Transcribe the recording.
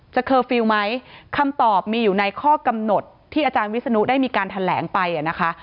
เคอร์ฟิลล์ไหมคำตอบมีอยู่ในข้อกำหนดที่อาจารย์วิศนุได้มีการแถลงไปนะคะ